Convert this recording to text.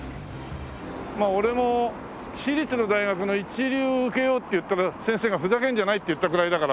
まあ俺も私立の大学の一流受けようって言ったら先生がふざけるんじゃないって言ったくらいだから。